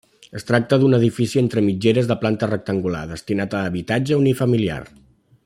Es tracta d'un edifici entre mitgeres de planta rectangular destinat a habitatge unifamiliar.